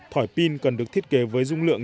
thỏi pin cần được thiết kế với dung lượng